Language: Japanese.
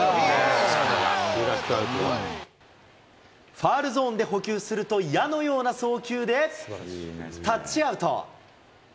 ファウルゾーンで捕球すると、矢のような送球でタッチアウト。